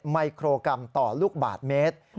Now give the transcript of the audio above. มิโครกรัมต่อลูกบาทเมตร